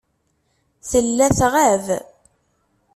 Tella tɣab.